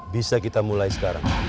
bisa kita mulai sekarang